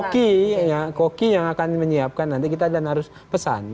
koki yang akan menyiapkan nanti kita dan harus pesan